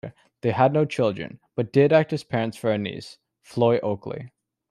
They had no children, but did act as parents for a niece, Floy Oakley.